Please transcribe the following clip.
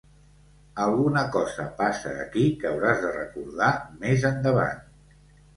Alguna cosa passa aquí que hauràs de recordar més endavant.